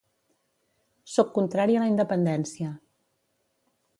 Soc contrari a la independència.